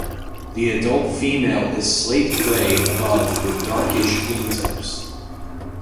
The adult female is slate-grey above with darkish wingtips.